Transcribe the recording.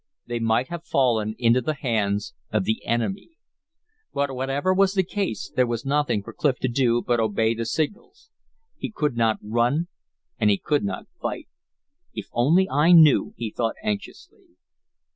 They might have fallen into the hands of the enemy. But whatever was the case, there was nothing for Clif to do but obey the signals. He could not run and he could not fight. "If I only knew," he thought, anxiously.